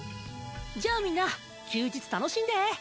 じゃあみんな休日楽しんで！